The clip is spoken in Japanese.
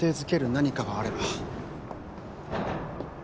何かがあれば。